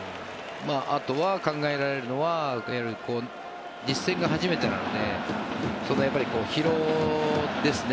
あとは考えられるのは実戦が初めてなので疲労ですね。